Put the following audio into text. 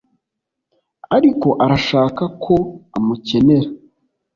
ariko arashaka ko amukenera